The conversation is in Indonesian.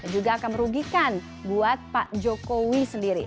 juga akan merugikan buat pak jokowi sendiri